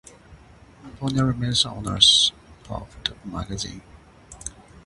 Bonnier remains owner of the magazine.